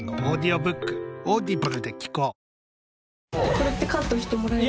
これってカットしてもらえる？